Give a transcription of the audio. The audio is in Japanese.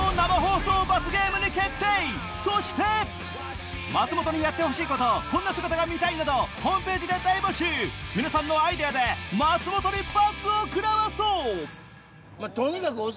そして松本にやってほしいことこんな姿が見たい！などホームページで大募集皆さんのアイデアで松本に罰を食らわそう！